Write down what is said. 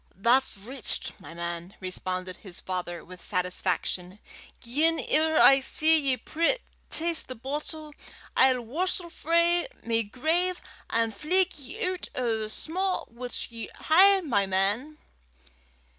"That's richt, my man," responded his father with satisfaction. "Gien ever I see ye pree (taste) the boatle, I'll warstle frae my grave an' fleg ye oot o' the sma' wuts ye hae, my man."